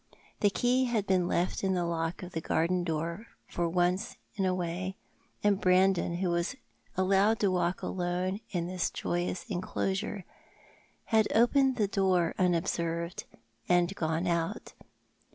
The key had been left in the lock of the garden door for once in a way, and Brandon, who was allowed to walk alone in this joyless enclosure, had opened the door unobserved and gone out.